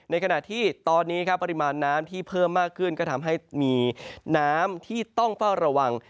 ในขณะที่ตอนนี้ครับปริมาณน้ำที่เพิ่มมากขึ้นก็ทำให้มีน้ำที่ต้องเฝ้าระวัง